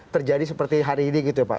terjadi seperti hari ini gitu ya pak